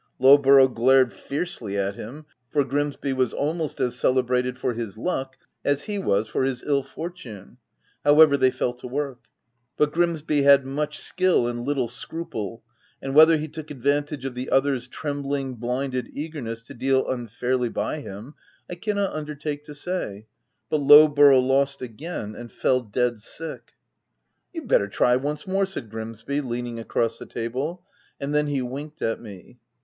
Lowborough glared fiercely at him, for Grimsby was almost as celebrated for his luck as he was for his ill fortune. However, they fell to work. But Grimsby had much skill and little scruple, and whether he took advantage of the other's trembling, blinded eagerness to deal unfairly by him, I cannot undertake to say ; but Low borough lost again, and fell dead sick. "' You'd better try once more,' said Grimsby, leaning across the table. And then he winked at me.